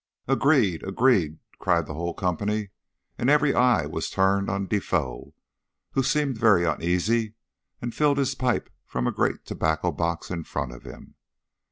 "Agreed! agreed!" cried the whole company; and every eye was turned on Defoe, who seemed very uneasy, and filled his pipe from a great tobacco box in front of him.